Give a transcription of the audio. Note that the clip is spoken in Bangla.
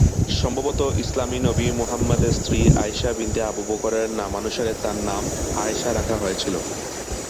সম্ভবত ইসলামী নবি মুহাম্মদের স্ত্রী আয়িশা বিনতে আবু বকরের নামানুসারে তার নাম আয়শা রাখা হয়েছিল।